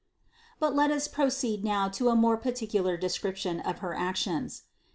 467. But let us proceed now to a more particular de scription of her actions.